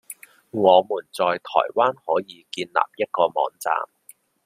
我們在台灣可以建立一個網站